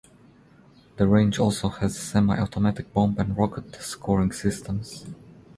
The range also has semi-automatic bomb and rocket scoring systems.